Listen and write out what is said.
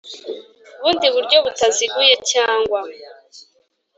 bundi buryo butaziguye cyangwa